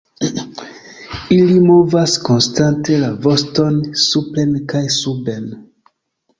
Ili movas konstante la voston supren kaj suben.